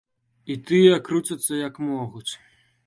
І тыя круцяцца, як могуць.